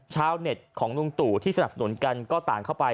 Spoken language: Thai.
ชาวเน็ตของลุงตู่ที่สนับสนุนกันก็ต่างเข้าไป